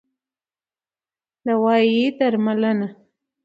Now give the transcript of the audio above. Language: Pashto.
دوايي √ درملنه